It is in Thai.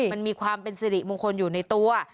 มันมีความเป็นสิริมงคลอยู่ในตัว